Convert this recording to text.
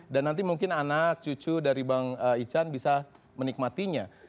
dan nanti mungkin anak cucu dari bang ican bisa menikmatinya